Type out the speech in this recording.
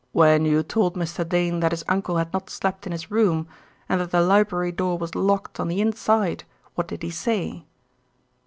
"When you told Mr. Dane that his uncle had not slept in his room, and that the library door was locked on the inside, what did he say?"